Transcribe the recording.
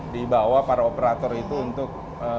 di bawah para operator itu untuk